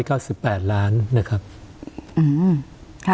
ใครคิดว่าขวามเสียหายเป็นเงินเท่าไรคะ